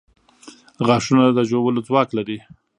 • غاښونه د ژولو ځواک لري.